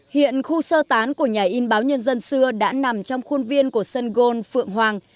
hiện khu sơ tán của nhà in báo nhân dân xưa đã nằm trong khuôn viên của sân gôn phượng hoàng